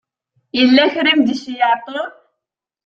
Yella kra i m-d-iceyyeɛ Tom.